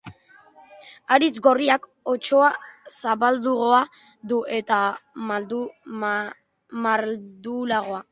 Haritz gorriak hostoa zabalagoa du eta mardulagoa.